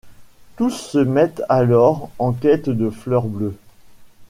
Tous se mettent alors en quête de Fleur bleue.